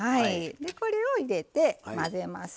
これを入れて混ぜます。